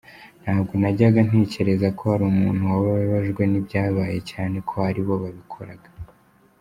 Ntabwo najyaga ntekereza ko hari Umuhutu wababajwe n’ibyabaye cyane ko ari bo babikoraga”.